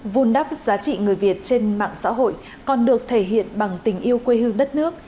vun đắp giá trị người việt trên mạng xã hội còn được thể hiện bằng tình yêu quê hương đất nước